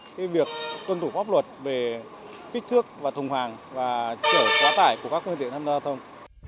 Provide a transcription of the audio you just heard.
cái việc tuân thủ pháp luật về kích thước và thùng hoàng và chở quá tải của các quân đội tham gia giao thông